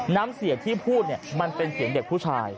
น้ำเสียงที่พูดมันเป็นเสียงเด็กผู้ชาย